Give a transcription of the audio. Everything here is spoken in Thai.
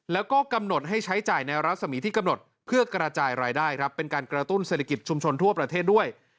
แล้วก็กำหนดให้ใช้จ่ายในรัศมีที่กำหนดเพื่อกระจายรายได้ครับเป็นการกระตุ้นเศรษฐกิจชุมชนทั่วประเทศด้วย